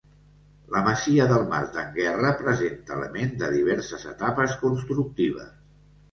La masia del mas d'en Guerra presenta elements de diverses etapes constructives.